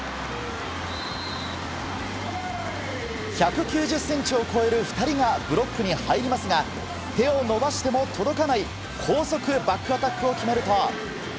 １９０センチを超える２人がブロックに入りますが、手を伸ばしても届かない高速バックアタックを決めると。